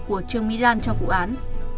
của trương mỹ lan cho vụ án